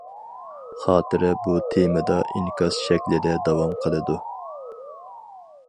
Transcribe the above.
خاتىرە بۇ تېمىدا ئىنكاس شەكلىدە داۋام قىلىدۇ.